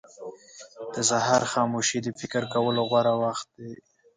• د سهار خاموشي د فکر کولو غوره وخت دی.